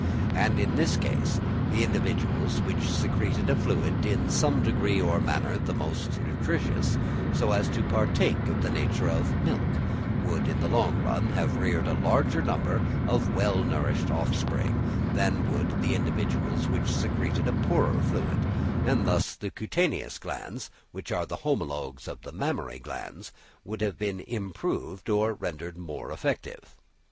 And in this case, the individuals which secreted a fluid, in some degree or manner the most nutritious, so as to partake of the nature of milk, would in the long run have reared a larger number of well nourished offspring, than would the individuals which secreted a poorer fluid; and thus the cutaneous glands, which are the homologues of the mammary glands, would have been improved or rendered more effective.